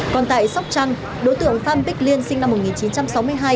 còn tại sóc trăng đối tượng phan bích liên sinh năm một nghìn chín trăm sáu mươi hai